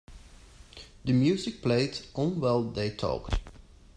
The music played on while they talked.